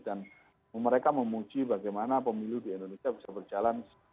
dan mereka memuji bagaimana pemilu di indonesia ini jauh lebih advance gitu ya jauh lebih rumit